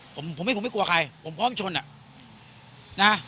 ผมไม่กลัวใครผมพร้อมชน